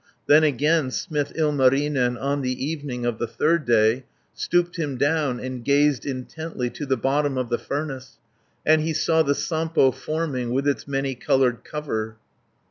Then again smith Ilmarinen, On the evening of the third day, Stooped him down, and gazed intently To the bottom of the furnace, And he saw the Sampo forming, With its many coloured cover.